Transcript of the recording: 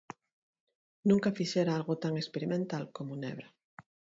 Nunca fixera algo tan experimental como Nebra.